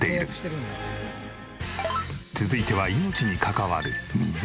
続いては命に関わる水。